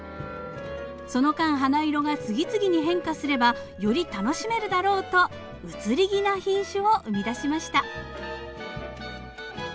その間花色が次々に変化すればより楽しめるだろうと「移り気」な品種を生み出しました。